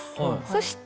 そして。